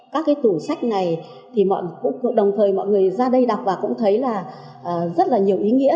các cái tủ sách này thì mọi người ra đây đọc và cũng thấy là rất là nhiều ý nghĩa